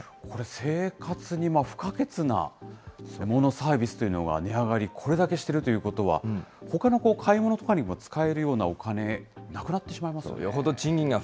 これ、生活に不可欠なモノ、サービスというものが値上がり、これだけしているということは、ほかの買い物とかにも使えるようなお金、なくなってしまいますよね。